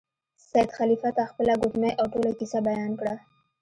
سید خلیفه ته خپله ګوتمۍ او ټوله کیسه بیان کړه.